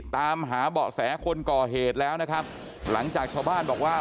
ตามหาเบาะแสคนก่อเหตุแล้วนะครับหลังจากชาวบ้านบอกว่า